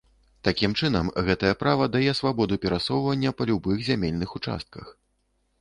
Такім чынам, гэтае права дае свабоду перасоўвання па любых зямельных участках.